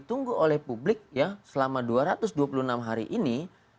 untuk publik selama dua ratus dua puluh enam hari ini